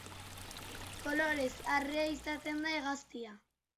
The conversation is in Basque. Kolorez arrea izaten da hegaztia.